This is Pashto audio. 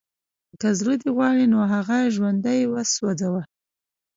که زړه دې غواړي نو هغه ژوندی وسوځوه